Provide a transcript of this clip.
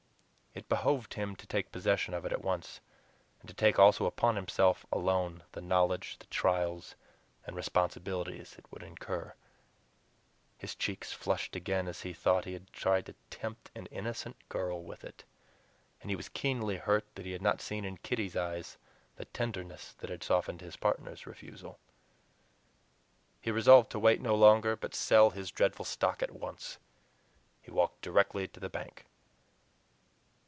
It behoved him to take possession of it at once, and to take also upon himself alone the knowledge, the trials, and responsibilities it would incur. His cheeks flushed again as he thought he had tried to tempt an innocent girl with it, and he was keenly hurt that he had not seen in Kitty's eyes the tenderness that had softened his partners' refusal. He resolved to wait no longer, but sell his dreadful stock at once. He walked directly to the bank.